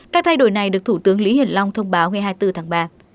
các thay đổi này được thủ tướng lý hiển long thông báo ngày hai mươi bốn tháng ba